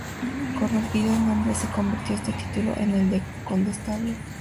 Corrompido el nombre, se convirtió este título en el de "condestable".